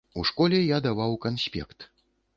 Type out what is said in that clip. У школе я даваў канспект.